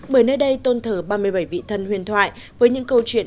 bởi nơi đây tôn thờ ba mươi bảy vị thân huyền thoại với những câu chuyện